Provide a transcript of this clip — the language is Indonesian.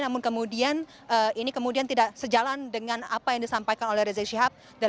namun kemudian ini kemudian tidak sejalan dengan apa yang disampaikan oleh rizik syihab